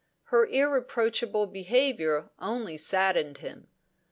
Her irreproachable behaviour only saddened him.